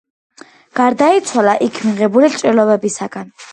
გარდაიცვალა იქ მიღებული ჭრილობებისაგან.